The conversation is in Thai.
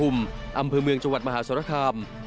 อำเภอเมืองจังหวัดมหาสรคาม